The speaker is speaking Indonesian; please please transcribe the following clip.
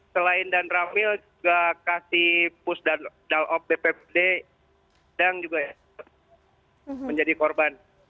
selain dan ramil juga kasih pus dan dalop bpd dan juga menjadi korban